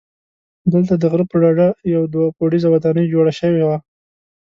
دلته د غره پر ډډه یوه دوه پوړیزه ودانۍ جوړه شوې وه.